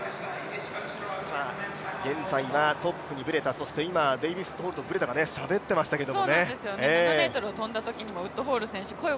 現在はトップにブレタ、今、デイビスウッドホールとブレタがしゃべってましたけど。